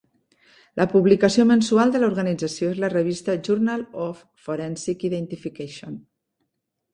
La publicació mensual de l'organització és la revista 'Journal of Forensic Identification'.